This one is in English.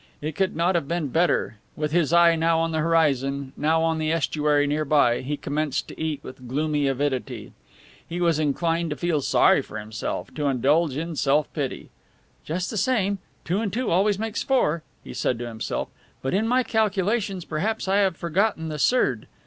It could not have been better and, with his eye now on the horizon, now on the estuary near by, he commenced to eat with gloomy avidity. He was inclined to feel sorry for himself, to indulge in self pity. "Just the same, two and two always make four," he said to himself; "but in my calculations perhaps I have forgotten the surd.